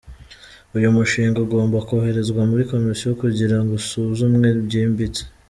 Uyu mushinga ugomba koherezwa muri komisiyo kugira ngo usuzumwe byimbitse.